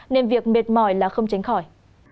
nên việc mệt mỏi là không tránh khỏi